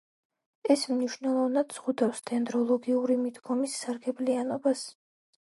ეს მნიშვნელოვნად ზღუდავს დენდროლოგიური მიდგომის სარგებლიანობას.